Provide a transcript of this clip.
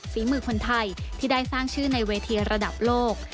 ฝีมือคนไทยที่ได้สร้างชื่อในเวทีระดับโลก